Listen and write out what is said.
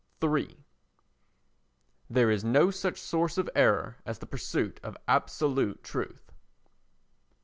iii There is no such source of error as the pursuit of absolute truth.